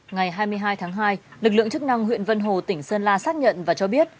ngày hai mươi hai tháng hai lực lượng chức năng huyện vân hồ tỉnh sơn la xác nhận và cho biết